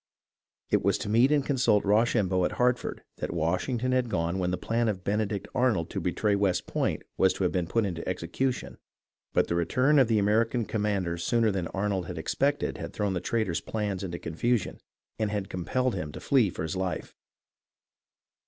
It was to meet and consult Rochambeau at Hartford that Washington had gone when the plan of Benedict Arnold to betray West Point was to have been put into execution, but the return of the American commander sooner than Arnold had expected had thrown the traitor's plans into confusion, and had compelled him to flee for his life.